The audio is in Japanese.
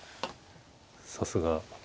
さすが。